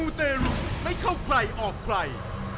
มูลเตหลุงไม่เข้าใครออกใคร